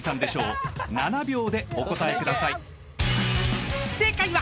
［７秒でお答えください］